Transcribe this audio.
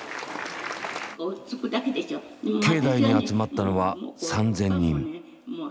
境内に集まったのは３，０００人。